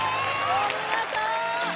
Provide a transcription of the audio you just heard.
お見事！